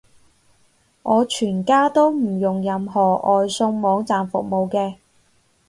我全家都唔用任何外送網購服務嘅